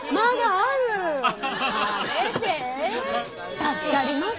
助かります。